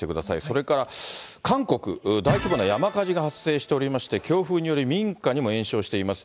それから韓国、大規模な山火事が発生しておりまして、強風により民家にも延焼しています。